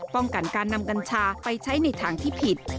ป้องกันการนำกัญชาไปใช้ในทางที่ผิด